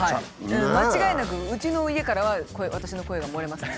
間違いなくうちの家からは私の声が漏れますね。